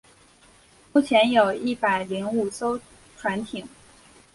目前有一百零五艘船艇。